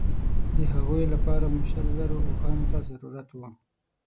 د هغوی لپاره مو شلو زرو اوښانو ته ضرورت وو.